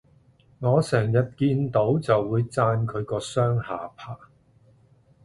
我成日見到就會讚佢個雙下巴